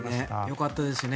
よかったですね。